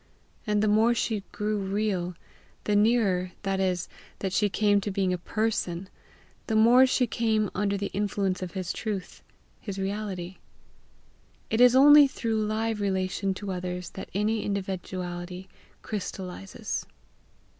And the more she grew real, the nearer, that is, that she came to being a PERSON, the more she came under the influence of his truth, his reality. It is only through live relation to others that any individuality crystallizes.